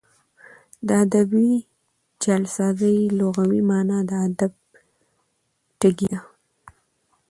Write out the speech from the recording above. د ادبي جعلسازۍ لغوي مانا د ادب ټګي ده.